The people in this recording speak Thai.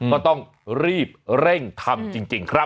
ก็ต้องรีบเร่งทำจริงครับ